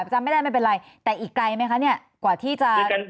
จำไม่ได้ไม่เป็นไรแต่อีกไกลไหมคะเนี่ยกว่าที่จะ